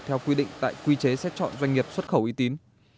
theo quy định tại quy chế xét chọn doanh nghiệp xuất khẩu uy tín